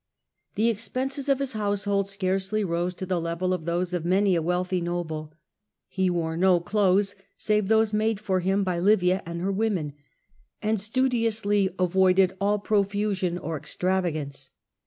The expenses of his household scarcely rose to the level of those of many a wealthy noble ; he wore no clothes save those made for him by Livia and her women, and studiously avoided all profusion or extravagance.